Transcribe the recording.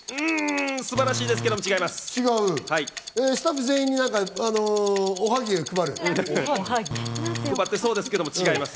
素晴らしいですけど違います。